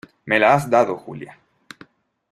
me las ha dado Julia.